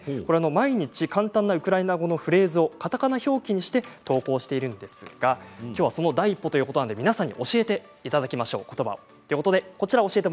毎日、簡単なウクライナ語のフレーズをカタカナ表記にして投稿しているんですがきょうは、その第一歩ということで皆さんに教えていただきましょうことばを。